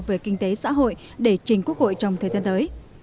về kinh tế xã hội để trình quốc hội trong thời gian tới